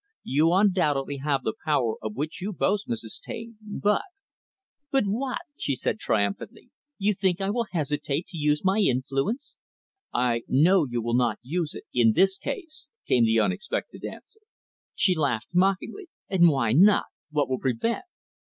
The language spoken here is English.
You undoubtedly have the power of which you boast, Mrs. Taine, but " "But what?" she said triumphantly. "You think I will hesitate to use my influence?" "I know you will not use it in this case," came the unexpected answer. She laughed mockingly, "And why not? What will prevent?"